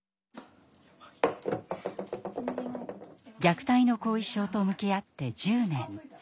虐待の後遺症と向き合って１０年。